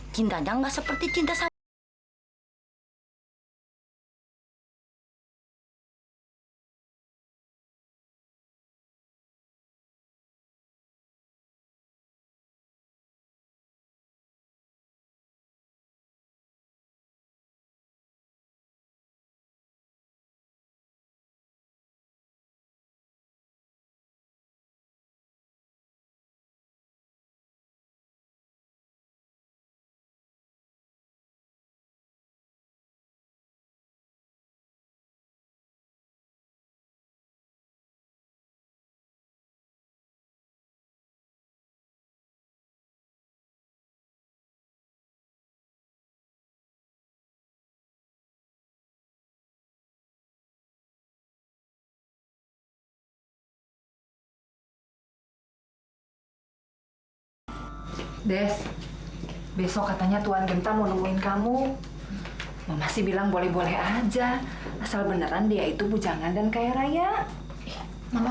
cintanya nggak seperti cinta sama